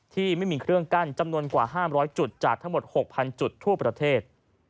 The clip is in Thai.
ที่ไม่มีเครื่องกั้นจำนวนกว่า๕๐๐จุดจากทั้งหมด๖๐๐จุดทั่วประเทศ